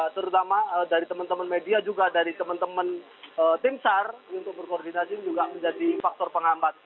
terutama dari teman teman media juga dari teman teman tim sar untuk berkoordinasi juga menjadi faktor penghambat